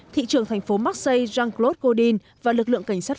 thị trường thành phố marseille jean claude godin và lực lượng cảnh sát